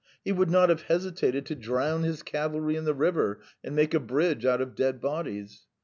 He would not have hesitated to drown his cavalry in the river and make a bridge out of dead bodies.